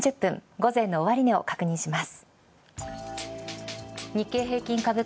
午前の終値を確認します。